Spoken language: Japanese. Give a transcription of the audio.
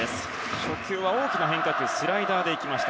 初球は、大きな変化球スライダーでいきました。